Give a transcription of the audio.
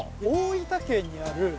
大分県にある。